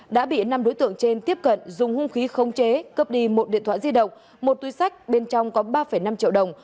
đã bị năm đối tượng trên tiếp cận dùng hung khí không chế cướp đi một điện thoại di động một túi sách bên trong có ba năm triệu đồng